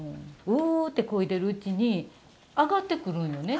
うってこいでるうちに上がってくるんよね。